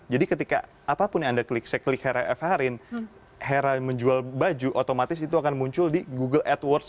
jadi ketika apapun yang anda klik saya klik hera efharin hera yang menjual baju otomatis itu akan muncul di google adwords